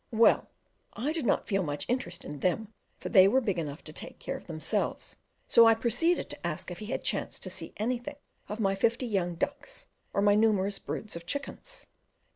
Well, I did not feel much interest in them, for they were big enough to take care of themselves: so I proceeded to ask if he had chanced to see anything of my fifty young ducks or my numerous broods of chickens.